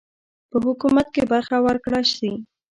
په حکومت کې برخه ورکړه سي.